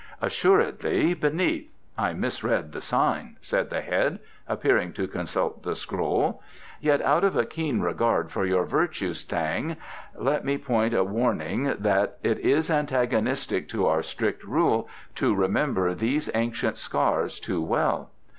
"Assuredly, beneath: I misread the sign," said the head, appearing to consult the scroll. "Yet, out of a keen regard for your virtues, Thang, let me point a warning that it is antagonistic to our strict rule to remember these ancient scars too well.